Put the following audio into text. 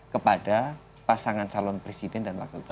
kepada pasangan calon presiden dan wakil presiden